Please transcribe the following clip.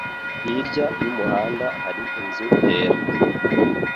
Hirya y'umuhanda hari inzu yera.